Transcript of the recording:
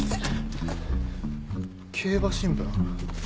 競馬新聞？